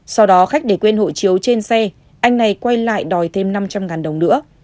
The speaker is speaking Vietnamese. sau đó khách để quên hộ chiếu trên xe anh này quay lại đòi thêm năm trăm linh đồng nữa